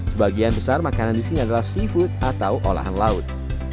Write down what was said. sebagian besar makanan di sini adalah seafood atau olahan laut